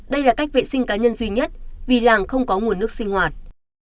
đây là cách vệ sinh cá nhân duy nhất vì làng không có nguồn nước sinh hoạt